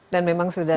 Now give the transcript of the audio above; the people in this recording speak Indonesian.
dan memang sudah